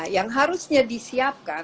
yang harusnya disiapkan